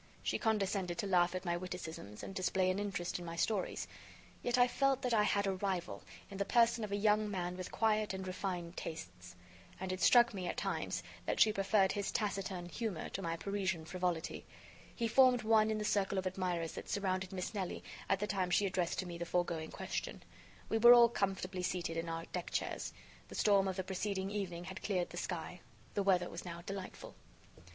She condescended to laugh at my witticisms and display an interest in my stories. Yet I felt that I had a rival in the person of a young man with quiet and refined tastes; and it struck me, at times, that she preferred his taciturn humor to my Parisian frivolity. He formed one in the circle of admirers that surrounded Miss Nelly at the time she addressed to me the foregoing question. We were all comfortably seated in our deck chairs. The storm of the preceding evening had cleared the sky. The weather was now delightful.